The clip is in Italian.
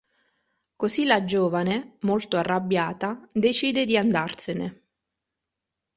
Così la giovane, molto arrabbiata, decide di andarsene.